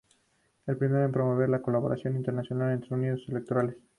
El primero es promover la colaboración internacional entre estudios electorales.